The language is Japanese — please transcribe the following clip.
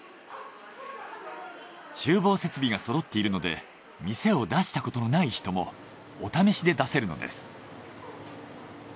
厨房設備がそろっているので店を出したことのない人もお試しで出せるのです。